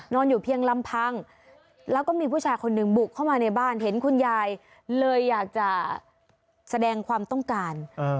อยู่เพียงลำพังแล้วก็มีผู้ชายคนหนึ่งบุกเข้ามาในบ้านเห็นคุณยายเลยอยากจะแสดงความต้องการ